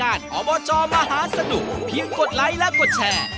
อันนี้เยอะเลย